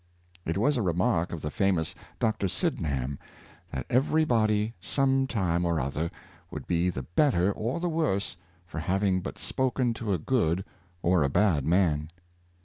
It was a re mark of the famous Dr. Sydenham that every body some time or other would be the better or the worse for having but spoken to a good or a bad man.